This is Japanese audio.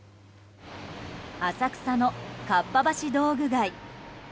浅草のかっぱ橋道具街。